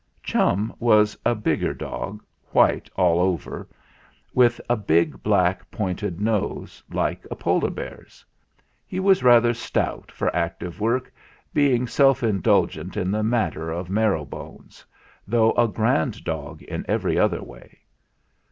Chum was a bigger dog white all over, with a long, black, pointed nose, like a polar bear's. He was rather stout for active work, being self indulgent in the matter of marrow bones, though a grand dog in every other way.